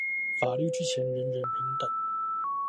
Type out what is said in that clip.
法律之前人人平等